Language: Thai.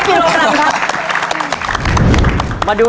๕พันบาท๒ตู้